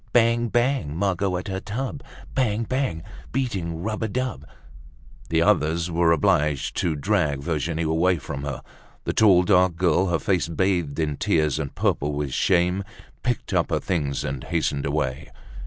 Bang! Bang! Margot at her tub. Bang! Bang! Beating rub a dub—" The others were obliged to drag Virginie away from her. The tall, dark girl, her face bathed in tears and purple with shame, picked up her things and hastened away.